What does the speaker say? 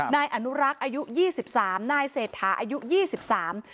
นายอนุรักษ์อายุยี่สิบสามนายเศรษฐาอายุยี่สิบสาม